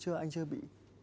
anh chưa bị